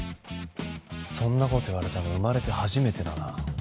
そんなこと言われたの生まれて初めてだな